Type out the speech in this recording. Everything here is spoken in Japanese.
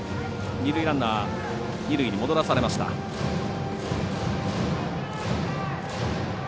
二塁ランナー二塁に戻らされました。